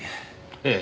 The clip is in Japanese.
ええ。